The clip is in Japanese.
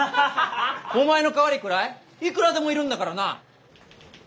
お前の代わりくらいいくらでもいるんだからな！